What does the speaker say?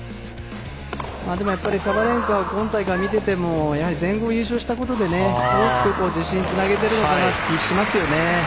でもサバレンカは今大会見ていてもやはり、全豪優勝したことで大きく自信につなげている気はしますよね。